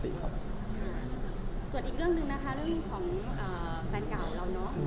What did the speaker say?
ส่วนอีกเรื่องหนึ่งนะคะเรื่องของแฟนเก่าเราเนอะ